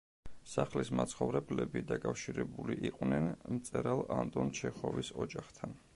სახლის მაცხოვრებლები დაკავშირებული იყვნენ მწერალ ანტონ ჩეხოვის ოჯახთან.